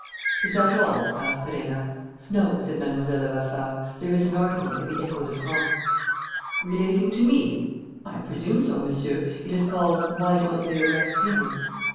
"Is that all?" asked Perenna. "No," said Mlle. Levasseur, "there is an article in the Echo de France " "Relating to me?" "I presume so, Monsieur. It is called, 'Why Don't They Arrest Him?'"